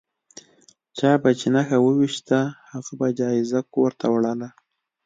چا به چې نښه وویشته هغه به جایزه کور ته وړله.